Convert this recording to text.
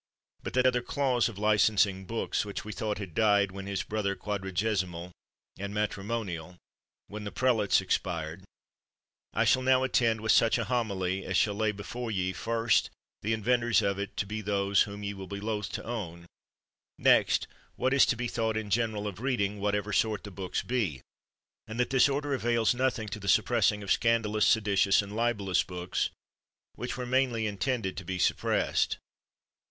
But that other clause of licensing books, which we thought had died with his brother quadragesimal and matrimonial when the prelates expired, I shall now attend with such a homily, as shall lay before ye, first the 83 THE WORLD'S FAMOUS ORATIONS inventors of it to be those whom you will be loth to own ; next what is to be thought in general of reading, whatever sort the books be; and that this order avails nothing to the suppressing of scandalous, seditious, and libelous books, which were mainly intended to be suppressed.